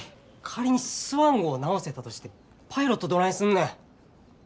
仮にスワン号を直せたとしてパイロットどないすんねん。